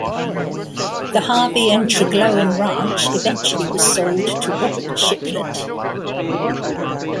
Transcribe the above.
The Harvey and Tregloan Ranch eventually was sold to Robert Shiplet.